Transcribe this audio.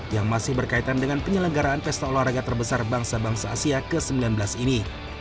yang masih berkaitan dengan penyelenggaraan pesta olahraga terbesar bangsa bangsa asia ke sembilan belas ini